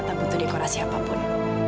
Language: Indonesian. tak butuh dekorasi apapun